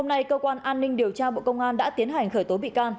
ngày cơ quan an ninh điều tra bộ công an đã tiến hành khởi tố bị can